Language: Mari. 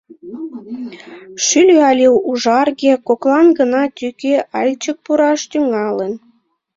Шӱльӧ але ужарге, коклан гына тӱкӧ ыльчык пураш тӱҥалын.